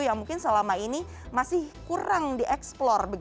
yang mungkin selama ini masih kurang di eksplor